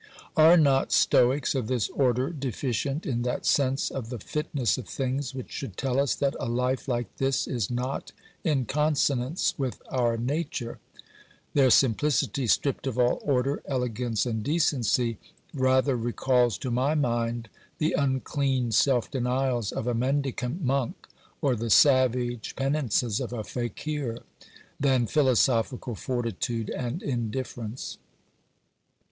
Are not stoics of this order deficient in that sense of the fitness of things which should tell us that a life like this is not in consonance with our nature ? Their simplicity, stripped of all order, elegance and decency, rather recalls to my mind the unclean self denials of a mendicant monk, or the savage penances of a fakir, than philoso phical fortitude and indifference.